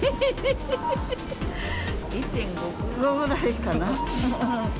１．５くらいかな。